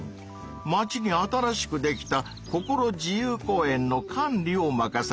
町に新しくできた「ココロ自由公園」の管理を任されている。